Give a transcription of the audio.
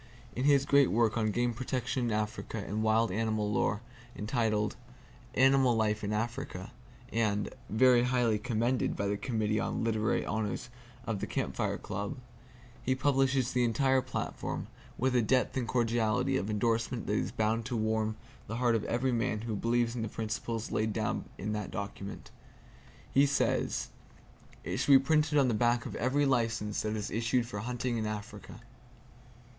In his great work on game protection in Africa and wild animal lore, entitled "Animal Life in Africa" (and "very highly commended" by the Committee on Literary Honors of the Camp Fire Club), he publishes the entire platform, with a depth and cordiality of endorsement that is bound to warm the heart of every man who believes in the principles laid down in that document. He says, "It should be printed on the back of every license that is issued for hunting in Africa."